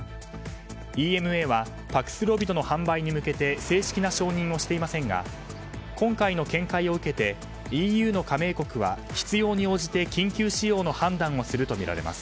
ＥＭＡはパクスロビドの販売に向けて正式な承認をしていませんが今回の見解を受けてＥＵの加盟国は必要に応じて緊急使用の判断をするとみられます。